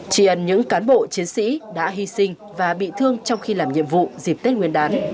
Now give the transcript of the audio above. chỉ ẩn những cán bộ chiến sĩ đã hy sinh và bị thương trong khi làm nhiệm vụ dịp tết nguyên đán